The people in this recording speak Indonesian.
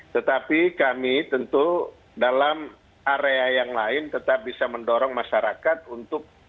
tetapi kami tentu dalam area yang lain tetap bisa mendorong masyarakat untuk